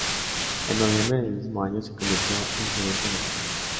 En noviembre del mismo año se convirtió en gerente de la compañía.